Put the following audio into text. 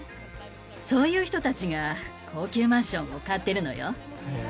そういう人たちが高級マンションを買ってるのよ。